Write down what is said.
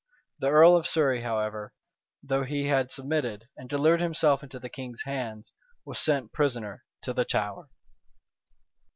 The earl of Surrey, however, though he had submitted, and delivered himself into the king's hands, was sent prisoner to the Tower.